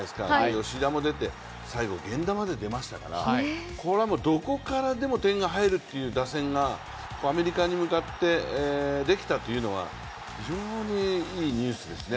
吉田も出て、最後源田まで出ましたからこれはもうどこからでも点が入るという打線がアメリカに向かってできたというのは、非常にいいニュースですね。